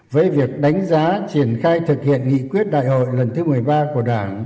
với việc đánh giá triển khai thực hiện nghị quyết đại hội lần thứ một mươi ba